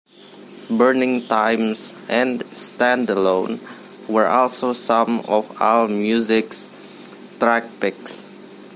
"Burning Times" and "Stand Alone" were also some of Allmusic's track picks.